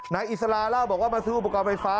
อิสลาเล่าบอกว่ามาซื้ออุปกรณ์ไฟฟ้า